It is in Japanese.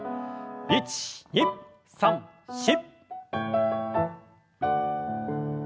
１２３４！